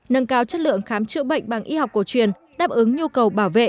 nâng cao chất lượng khám chữa bệnh bằng y học cổ truyền đáp ứng nhu cầu bảo vệ